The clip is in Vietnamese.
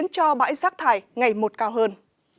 cho bãi rác thải ngày một cao hơn